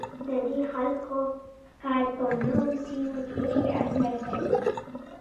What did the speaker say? د دې خلکو کار په نوو سیمو کې ډیر اهمیت درلود.